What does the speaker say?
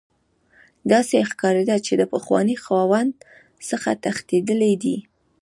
داسې ښکاریده چې د پخواني خاوند څخه تښتیدلی دی